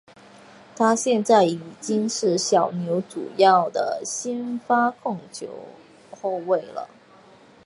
他现在已经是小牛主要的先发控球后卫了。